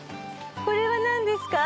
これは何ですか？